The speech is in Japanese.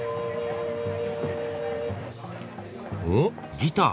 ギター。